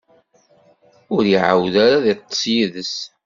Ur iɛawed ara ad iṭṭeṣ yid-s.